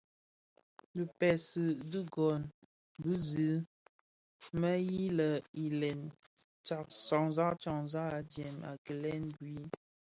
Dhi pezi dhigōn bi zi mě yilè yilen tyanzak tyañzak a djee a kilèn, bhui,